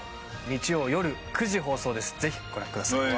日曜よる９時放送です是非ご覧ください